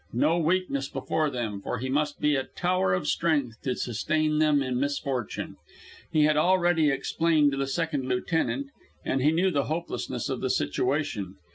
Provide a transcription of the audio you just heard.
No weakness before them, for he must be a tower of strength to sustain them in misfortune. He had already explained to the second lieutenant, and knew the hopelessness of the situation.